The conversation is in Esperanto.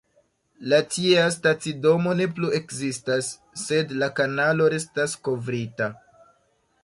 La tiea stacidomo ne plu ekzistas, sed la kanalo restas kovrita.